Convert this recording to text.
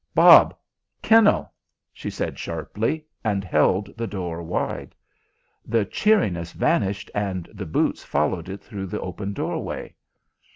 "Bob kennel!" she said sharply, and held the door wide. The cheeriness vanished and the boots followed it through the open doorway.